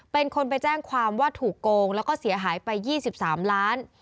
เป็นคนไปแจ้งความว่าถูกโกงแล้วก็เสียหายไป๒๓ล้าน